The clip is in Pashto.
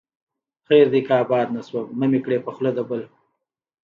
خير دى که آباد نه شوم، مه مې کړې په خوله د بل